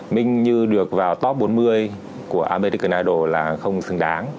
minh như được vào top bốn mươi của american idol là không xứng đáng